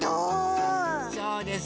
そうです。